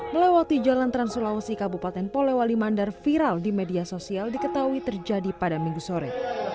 melewati jalan trans sulawesi kabupaten polewali mandar viral di media sosial diketahui terjadi pada minggu sore